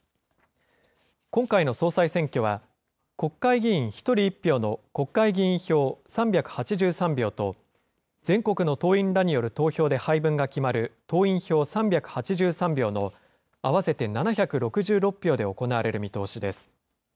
今回の総裁選挙は、国会議員１人１票の国会議員票３８３票と、全国の党員らによる投票で配分が決まる党員票３８３票の合わせて７６６票で行われる見通しです。